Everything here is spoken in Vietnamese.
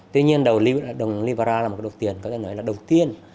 tuy nhiên đồng libra là một đồng tiền có thể nói là đồng tiền